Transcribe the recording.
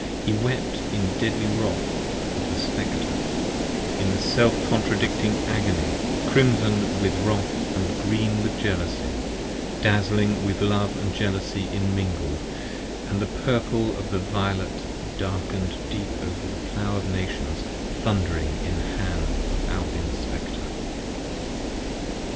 He wept in deadly wrath of the Spectre, in self contradicting agony, Crimson with Wrath & green with Jealousy, dazling with Love And Jealousy immingled, & the purple of the violet darken'd deep 30 Over the Plow of Nations thund'ring in the hand of Albion's Spectre.